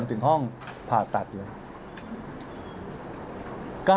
ถึงห้องผ่าตัดเลย